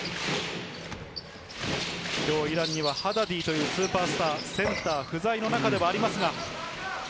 今日、イランにはハダディというスーパースター、センター不在の中ではありますが。